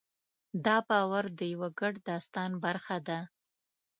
دا باور د یوه ګډ داستان برخه ده.